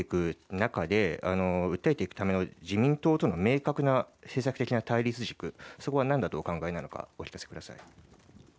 中で、訴えていくための自民党との明確な政策的な対立軸、そこはなんだとお考えなのか、お聞かせください。